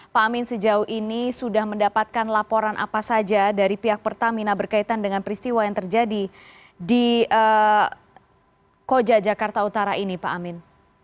pak amin sejauh ini sudah mendapatkan laporan apa saja dari pihak pertamina berkaitan dengan peristiwa yang terjadi di koja jakarta utara ini pak amin